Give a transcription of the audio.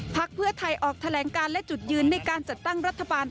เพื่อไทยออกแถลงการและจุดยืนในการจัดตั้งรัฐบาล